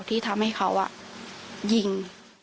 ที่ทำให้เขายิง